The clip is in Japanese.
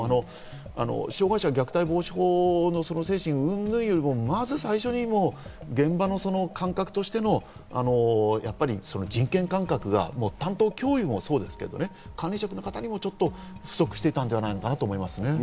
障害者虐待防止法の精神云々よりもまず最初に現場の感覚としての人権感覚が担当教諭もそうですけどね、管理職の方にも不足していたのではないかなと思いますね。